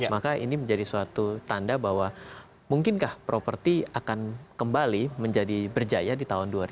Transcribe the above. maka ini menjadi suatu tanda bahwa mungkinkah properti akan kembali menjadi berjaya di tahun dua ribu dua puluh